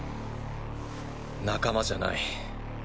仲間じゃない。